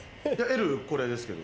Ｌこれですけど。